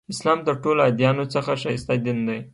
اسلام تر ټولو ادیانو څخه ښایسته دین دی.